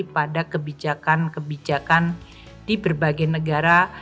pada kebijakan kebijakan di berbagai negara